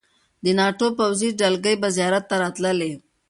د ناټو پوځي دلګۍ به زیارت ته راتللې.